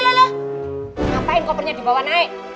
ngapain kopornya di bawah naik